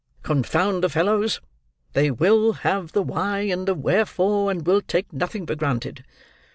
Confound the fellows, they will have the why and the wherefore, and will take nothing for granted.